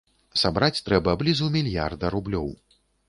Сабраць трэба блізу мільярда рублёў.